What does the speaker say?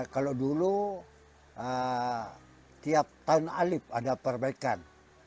kalau dulu tiap tahun alif ada perbaikan